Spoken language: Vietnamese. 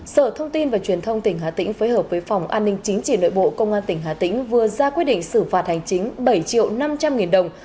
sở thông tin và truyền thông tỉnh hà tĩnh phối hợp với phòng an ninh chính trị nội bộ công an tỉnh hà tĩnh vừa ra quyết định xử phạt hành chính bảy triệu năm trăm linh nghìn đồng